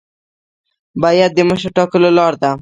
بیعت د مشر ټاکلو لار ده